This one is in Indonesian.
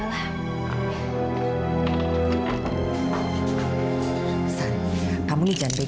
itu seperti mobil orang lain